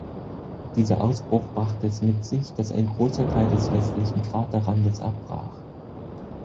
Dieser Ausbruch brachte es mit sich, dass ein großer Teil des westlichen Kraterrandes abbrach.